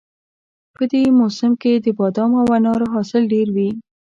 په دې موسم کې د بادامو او انارو حاصل ډېر ښه وي